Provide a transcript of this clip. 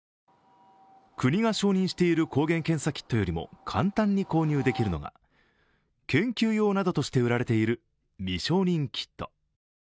国が承認している抗原検査キットよりも簡単に購入できるのが研究用などとして売られている未承認キット。